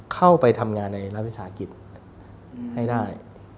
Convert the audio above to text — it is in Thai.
เข้าไปทำงานในระวัติศาสตร์อังกฤษให้ได้